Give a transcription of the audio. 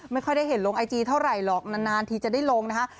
ไม่ค่อยได้เห็นลงไอจีเท่าไหร่หรอกนานทีจะได้ลงนะคะ